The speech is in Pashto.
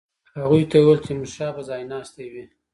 هغوی ته یې وویل تیمورشاه به ځای ناستی وي.